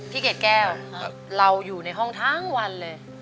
เกรดแก้วเราอยู่ในห้องทั้งวันเลย